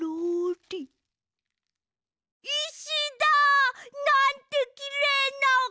いしだ！なんてきれいな。